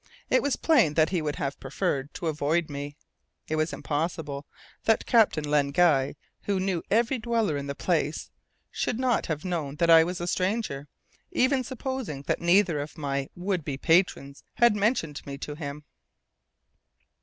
It was plain that he would have preferred to avoid me. It was impossible that Captain Len Guy, who knew every dweller in the place, should not have known that I was a stranger, even supposing that neither of my would be patrons had mentioned me to him.